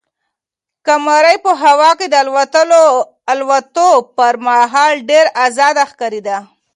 قمرۍ په هوا کې د الوتلو پر مهال ډېره ازاده ښکارېده.